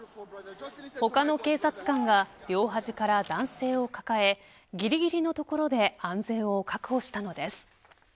他の警察官が両端から男性を抱えぎりぎりのところで安全を確保したのです。